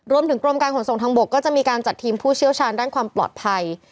รวมถึงกรมการขนส่งทางบกก็จะมีการจัดทีมผู้เชี่ยวชาญด้านความปลอดภัย